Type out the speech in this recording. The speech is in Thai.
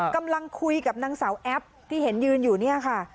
กำลังคุยกับนางสาวแอปที่เห็นยืนอยู่เนี่ยค่ะ